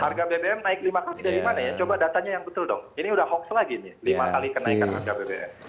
harga bbm naik lima kali dari mana ya coba datanya yang betul dong ini udah hoax lagi nih lima kali kenaikan harga bbm